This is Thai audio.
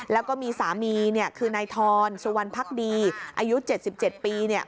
แล้วก็มีสามีเนี่ยคือนายทอนสุวรรณภักดีอายุ๗๗ปีเนี่ย